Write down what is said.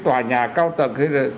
tòa nhà cao tầng